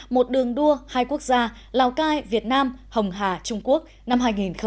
một đường đua hai quốc gia lào cai việt nam hồng hà trung quốc năm hai nghìn hai mươi